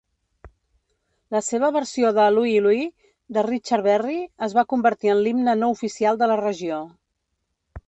La seva versió de "Louie, Louie" de Richard Berry es va convertir en l'himne no oficial de la regió.